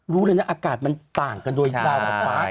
รู้เลยนะอากาศมันต่างกันโดยดาวกับฟ้า